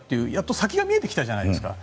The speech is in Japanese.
先が見えてきたじゃないですか。